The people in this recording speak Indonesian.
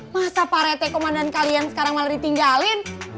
masa pak rete komandan kalian sekarang malah ditinggalin